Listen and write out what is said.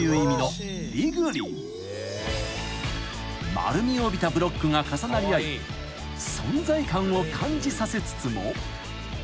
［丸みを帯びたブロックが重なり合い存在感を感じさせつつも］